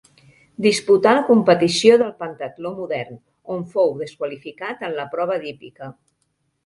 Disputà la competició del pentatló modern, on fou desqualificat en la prova d'hípica.